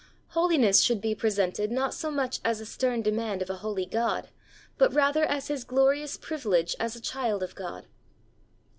Holiness should be presented not so much as a stern demand of a holy God, but rather as his glorious privilege as a child of God.